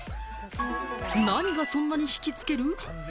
何がそんなにひきつける？